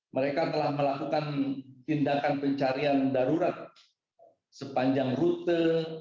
mereka telah melakukan tindakan pencarian darurat sepanjang rute